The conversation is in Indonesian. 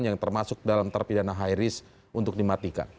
yang termasuk dalam terpidana high risk untuk dimatikan